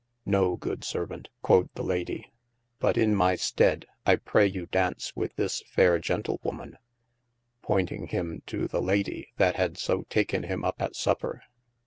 No good servaunt, (quod the Lady,) but in my steede, I pray you daunce with this fayre Gentle woman, pointing him too the Lady that had so taken him up at supper.